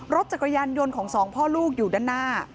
รถจักรยานยนต์ของสองพ่อลูกอยู่ด้านหน้า